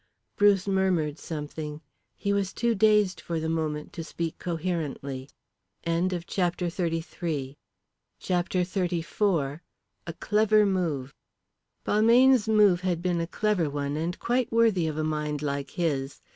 Bruce murmured something. He was too dazed for the moment to speak coherently. CHAPTER XXXIV. A CLEVER MOVE. Balmayne's move had been a clever one, and quite worthy of a mind like his.